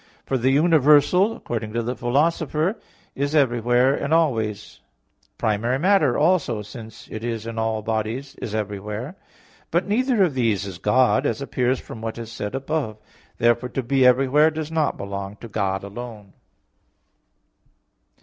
For the universal, according to the Philosopher (Poster. i), is everywhere, and always; primary matter also, since it is in all bodies, is everywhere. But neither of these is God, as appears from what is said above (Q. 3). Therefore to be everywhere does not belong to God alone.